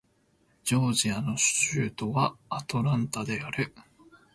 ジョージア州の州都はアトランタである